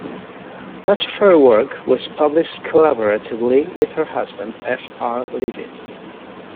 Much of her work was published collaboratively with her husband, F. R. Leavis.